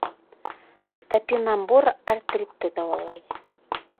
Топинамбур артритты дауалай